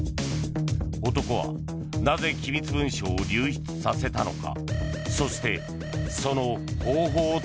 男は、なぜ機密文書を流出させたのか。